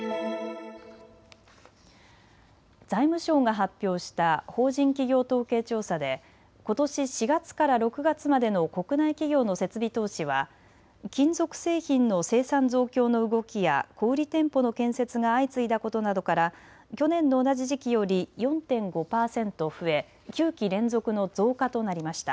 財務省が発表した法人企業統計調査でことし４月から６月までの国内企業の設備投資は金属製品の生産増強の動きや小売り店舗の建設が相次いだことなどから去年の同じ時期より４．５％増え９期連続の増加となりました。